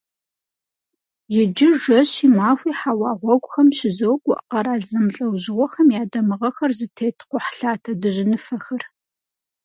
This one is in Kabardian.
Иджы жэщи махуи хьэуа гъуэгухэм щызокӏуэ къэрал зэмылӏэужьыгъуэхэм я дамыгъэхэр зытет кхъухьлъатэ дыжьыныфэхэр.